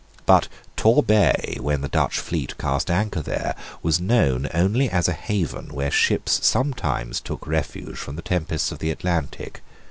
But Torbay, when the Dutch fleet cast anchor there, was known only as a haven where ships sometimes took refuge from the tempests of the Atlantic.